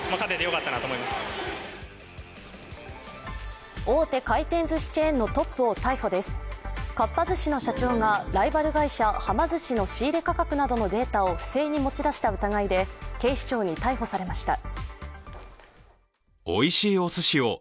かっぱ寿司の社長がライバル会社・はま寿司の仕入価格などのデータを不正に持ち出した疑いで警視庁に逮捕されました。